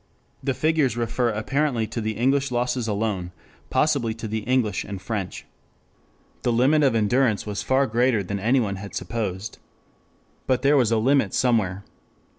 The figures refer apparently to the English losses alone, possibly to the English and French.] The limit of endurance was far greater than anyone had supposed. But there was a limit somewhere.